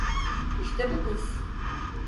İşte bu kız.